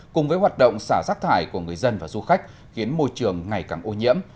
cùng với hoạt động xả rác thải của người dân và du khách khiến môi trường ngày càng ô nhiễm